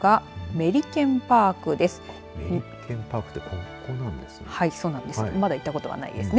メリケンパークってここなんですね。